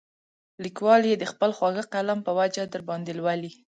لیکوال یې د خپل خواږه قلم په وجه درباندې لولي.